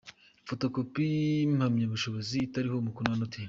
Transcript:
Fotokopi y’impamyabushobozi itariho umukono wa Noteri ;.